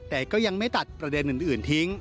แต่ก็ยังไม่ตัดประเด็นอื่นทิ้ง